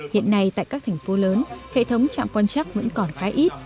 hiện nay tại các thành phố lớn hệ thống trạm quan chắc vẫn còn khá ít